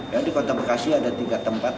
ya di kota bekasi ada tiga tempat